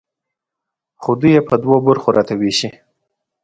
خو دوی یې په دوو برخو راته ویشي.